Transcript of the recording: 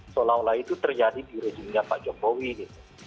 seolah olah itu terjadi di rejimnya pak jombowi gitu